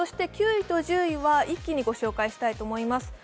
９位と１０位は一気にご紹介したいと思います。